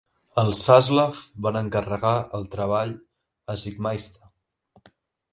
Els Saslav van encarregar el treball a Siegmeister.